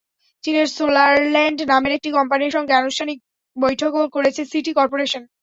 চীনের সোলারল্যান্ড নামের একটি কোম্পানির সঙ্গে আনুষ্ঠানিক বৈঠকও করেছে সিটি করপোরেশন।